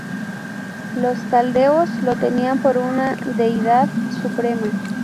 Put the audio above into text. Los caldeos lo tenían por una deidad suprema.